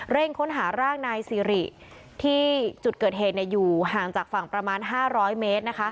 ค้นหาร่างนายสิริที่จุดเกิดเหตุอยู่ห่างจากฝั่งประมาณ๕๐๐เมตร